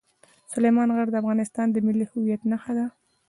سلیمان غر د افغانستان د ملي هویت نښه ده.